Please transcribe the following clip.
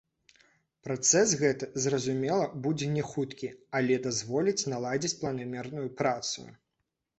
Працэс гэты, зразумела, будзе не хуткі, але дазволіць наладзіць планамерную працу.